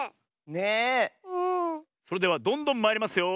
それではどんどんまいりますよ。